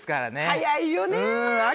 早いよね。